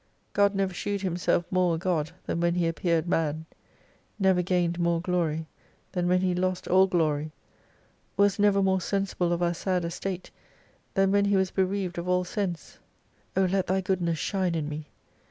God never shewed Himself more a God than when He appeared man ; never gained more glory than when He lost all glory : was never more sensible of our sad estate, than when He was bereaved of all sense. O let Thy goodness shine in me